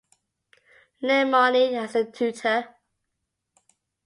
Le Moyne as the tutor.